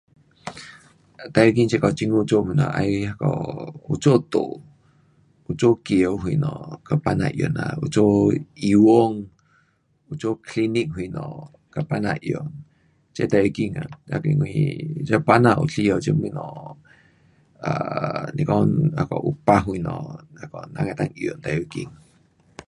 最要紧这个政府做东西要那个有做路，有做桥什么，给百姓用呐，有做医馆，有做 clinic 什么给百姓用，这最要紧啊，因为这百姓有需要这东西。呃，是讲有 bus 什么那个人能够用最要紧。